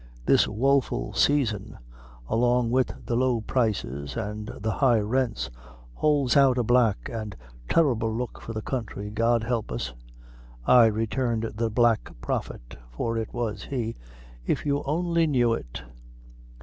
This woeful saison, along wid the low prices and the high rents, houlds out a black and terrible look for the counthry, God help us!" "Ay," returned the Black Prophet, for it was he, "if you only knew it."